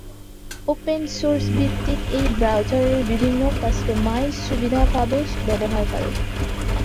Open source ভিত্তিক এই ব্রাউজারে বিভিন্ন কাস্টোমাইজ সুবিধা পাবেন ব্যবহারকারী।